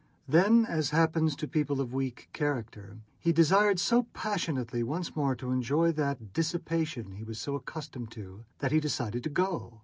Then, as happens to people of weak character, he desired so passionately once more to enjoy that dissipation he was so accustomed to that he decided to go.